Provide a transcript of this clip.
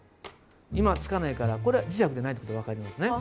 今つかないからこれは磁石じゃないってこと分かりますね。